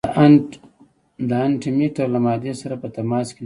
د انټي مټر له مادې سره په تماس کې له منځه ځي.